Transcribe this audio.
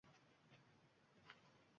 Ularga bir ota bog‘bon misoli